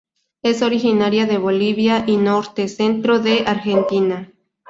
Es originaria de Bolivia y norte-centro de Argentina.